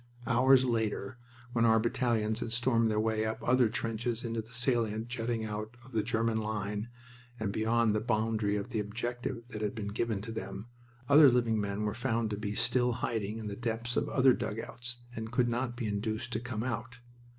Hours later, when our battalions had stormed their way up other trenches into a salient jutting out of the German line and beyond the boundary of the objective that had been given to them, other living men were found to be still hiding in the depths of other dugouts and could not be induced to come out.